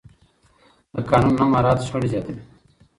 د قانون نه مراعت شخړې زیاتوي